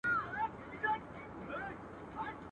علم ته تلکه سوه عقل لاري ورکي کړې.